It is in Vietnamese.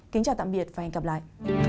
kính chào tạm biệt và hẹn gặp lại